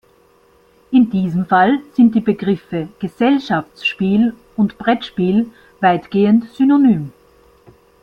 In diesem Fall sind die Begriffe "Gesellschaftsspiel" und "Brettspiel" weitgehend synonym.